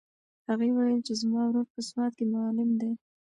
هغې وویل چې زما ورور په سوات کې معلم دی.